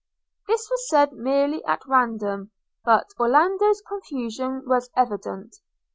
This was said merely at random; but Orlando's confusion was evident.